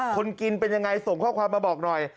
คนกินเป็นยังไงส่งข้อความมาบอกหน่อย